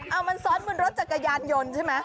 เอามันซ้อนบนรถจักรยานยนต์ใช่ไหม